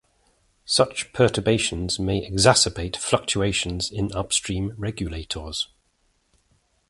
Such perturbations may exacerbate fluctuations in upstream regulators.